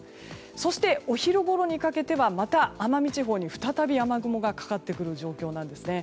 そしてお昼ごろにかけてはまた奄美地方に再び雨雲がかかってくる状況です。